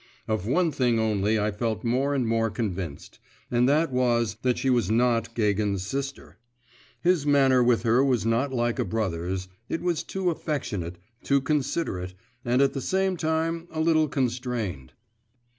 Of one thing only I felt more and more convinced; and that was, that she was not Gagin's sister. His manner with her was not like a brother's, it was too affectionate, too considerate, and at the same time a little constrained.